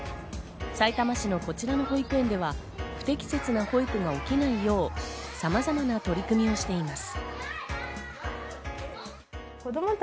さいたま市のこちらの保育園では不適切な保育が起きないよう、さまざまな取り組みをしています。